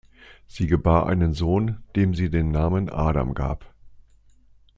Sie gebar einen Sohn, dem sie den Namen „Adam“ gab.